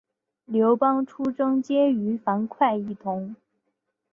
刘邦出征皆与樊哙一同。